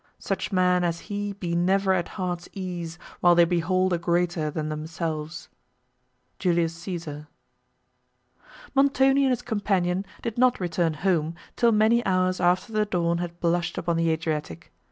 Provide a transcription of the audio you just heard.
Such men as he be never at heart's ease, While they behold a greater than themselves. JULIUS CÆSAR Montoni and his companion did not return home, till many hours after the dawn had blushed upon the Adriatic.